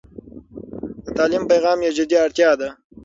د تعلیم پیغام یو جدي اړتيا ده.